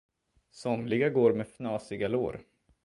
Somliga går med fnasiga lår.